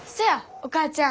お母ちゃん。